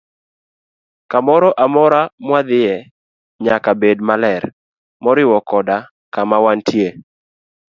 Kamoro amora mwadhiye nyaka bed maler, moriwo koda kama wantie.